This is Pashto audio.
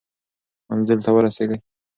منزل ته ورسېږئ.